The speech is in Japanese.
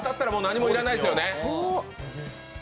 何もいらないですね。